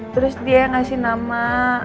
terus dia ngasih nama